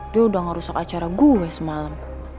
dia udah ngerusak acara gue semalam